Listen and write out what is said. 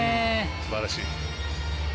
すばらしい。